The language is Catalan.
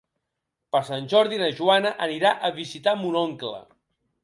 Per Sant Jordi na Joana anirà a visitar mon oncle.